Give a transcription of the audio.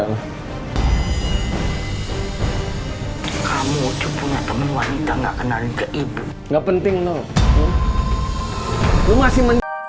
kamu cuma temen temen kita nggak kenal juga ibu nggak penting loh lu masih